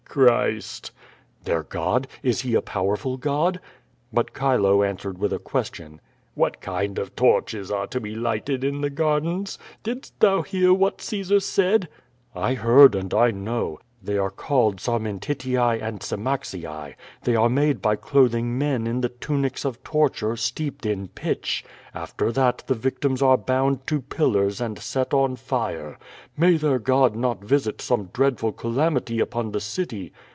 "Christ." "Their God? Is He a powerful God?" But Chilo answered with a question: "What kind of torches are to be lighted in the gardens? Didst thou hear what Caesar said?" "I heard, and I know. They are called sarmentitii and semaxii. They are made by clothing men in the tunics of torture, steeped in pitch. After that the victims are bound to pillars and set on fire. May their God not visit some dreadful calamity upon the city.